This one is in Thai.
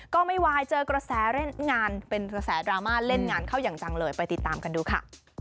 ก็ไม่วายเจอกระแสเล่นงานเป็นกระแสดราม่าเล่นงานเข้าอย่างจังเลยไปติดตามกันดูค่ะ